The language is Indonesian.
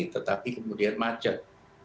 tetapi kemudian macet